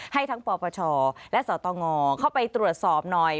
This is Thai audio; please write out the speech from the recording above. ให้ทั้งปปชและสตงเข้าไปตรวจสอบหน่อย